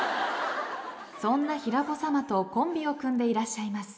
そんな平子さまとコンビを組んでいらっしゃいます